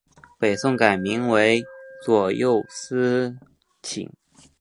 北宋改名为左右司谏。